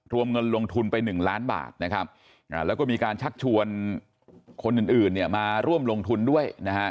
รวมเงินลงทุนไป๑ล้านบาทนะครับแล้วก็มีการชักชวนคนอื่นเนี่ยมาร่วมลงทุนด้วยนะฮะ